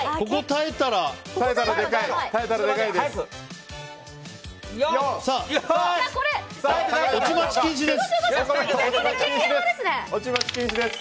耐えたらでかいです。